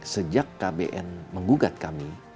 sejak kbn menggugat kami